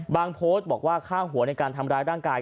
โพสต์บอกว่าค่าหัวในการทำร้ายร่างกาย